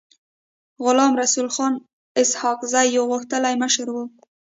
غلام رسول خان اسحق زی يو غښتلی مشر و.